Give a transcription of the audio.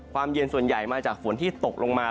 เย็นส่วนใหญ่มาจากฝนที่ตกลงมา